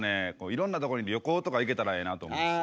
いろんな所に旅行とか行けたらええなと思います。